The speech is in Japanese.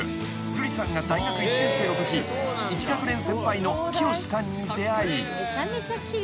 ［瑠麗さんが大学１年生のとき１学年先輩の清志さんに出会い］